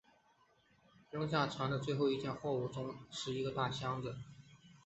扔下船的最后一件货物中是一个大箱子。